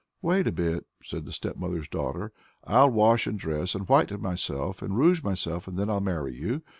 "Wait a bit," said the stepmother's daughter, "I'll wash and dress, and whiten myself and rouge myself, and then I'll marry you."